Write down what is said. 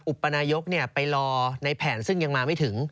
อุปนายกไปรอในแผนซึ่งยังมาไม่ถึง